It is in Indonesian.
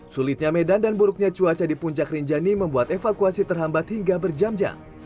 sulitnya medan dan buruknya cuaca di puncak rinjani membuat evakuasi terhambat hingga berjam jam